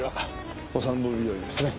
お散歩日和ですね。